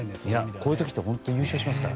こういう時って本当に優勝しますから。